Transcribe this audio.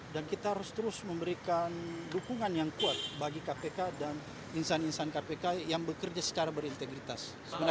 dan kita harus terus memberikan dukungan yang kuat bagi kpk dan insan insan kpk yang bekerja secara berintegritas